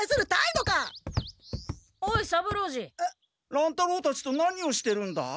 乱太郎たちと何をしてるんだ？